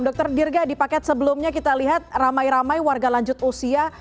dr dirga di paket sebelumnya kita lihat ramai ramai warga lanjut usia